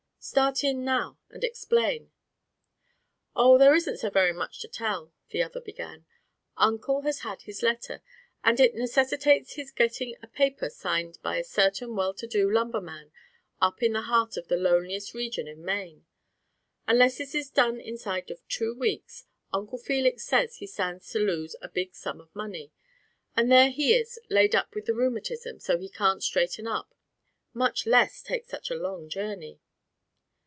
Start in now, and explain." "Oh, there isn't so very much to tell," the other began. "Uncle has had his letter, and it necessitates his getting a paper signed by a certain well to do lumberman up in the heart of the loneliest region in Maine. Unless this is done inside of two weeks Uncle Felix says he stands to lose a big sum of money. And there he is, laid up with the rheumatism so he can't straighten up, much less take such a long journey."